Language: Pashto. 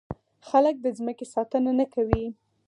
خلک د ځمکې ساتنه نه کوي.